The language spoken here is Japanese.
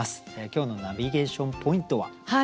今日のナビゲーション・ポイントは？